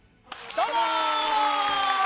どうも！